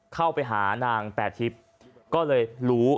เข้าไปหานางแปรทิศก็เลยหรู